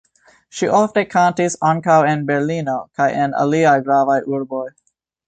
Ŝi ofte kantis ankaŭ en Berlino kaj en aliaj gravaj urboj.